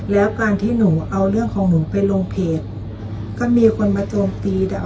แล้วการที่หนูเอาเรื่องของหนูไปลงเพจก็มีคนมาโจมตีแต่